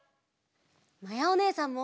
まやおねえさんも！